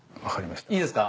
いいですか？